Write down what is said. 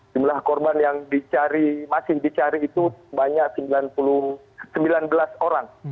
jumlah korban yang dicari masih dicari itu banyak sembilan belas orang